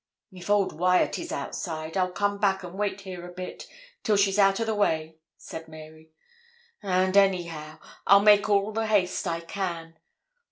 'If old Wyat is outside, I'll come back and wait here a bit, till she's out o' the way,' said Mary; 'and, anyhow, I'll make all the haste I can.